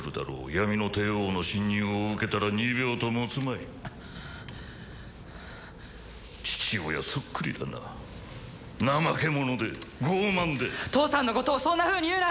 闇の帝王の侵入を受けたら２秒ともつまい父親そっくりだな怠け者で傲慢で父さんのことをそんなふうに言うな！